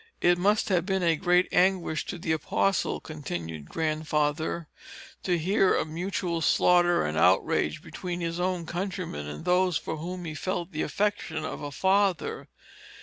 "It must have been a great anguish to the apostle," continued Grandfather, "to hear of mutual slaughter and outrage between his own countrymen, and those for whom he felt the affection of a father.